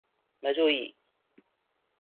沒注意！